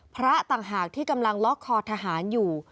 ต่างหากที่กำลังล็อกคอทหารอยู่